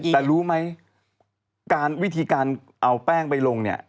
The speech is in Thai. แต่รู้ไหมการวิธีการเอาแป้งไปลงเนี่ย